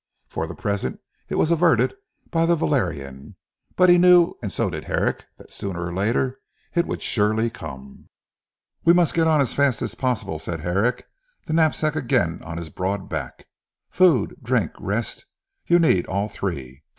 For the present it was averted by the valerian; but he knew and so did Herrick, that sooner or later it would surely come. "We must get on as fast as possible," said Herrick, the knapsack again on his broad back. "Food, drink, rest; you need all three.